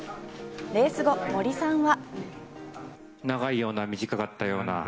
レース後、森さんは。